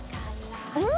うん！